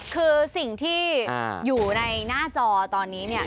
คือสิ่งที่อยู่ในหน้าจอตอนนี้เนี่ย